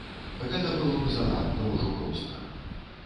Гэта было б занадта ўжо проста.